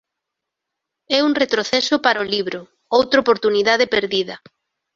É un retroceso para o libro, outra oportunidade perdida.